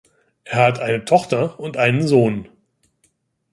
Er hat eine Tochter und einen Sohn.